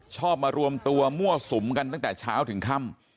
ชอบมารวมตัวมั่วสุมกันตั้งแต่เช้าถึงค่ำ